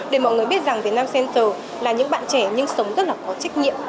để mọi người biết rằng việt nam center là những bạn trẻ nhưng sống rất là có trách nhiệm